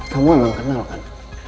kamu memang kenalkan